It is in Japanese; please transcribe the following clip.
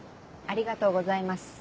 ありがとうございます。